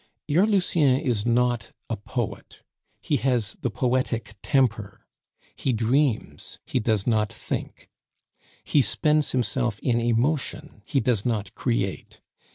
Your Lucien is not a poet, he has the poetic temper; he dreams, he does not think; he spends himself in emotion, he does not create.